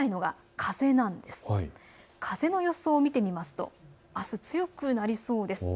風の予想を見てみますとあす、強くなりそうです。